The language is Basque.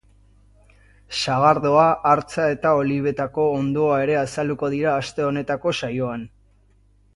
Sagardoa, hartza eta olibetako onddoa ere azalduko dira aste honetako saioan.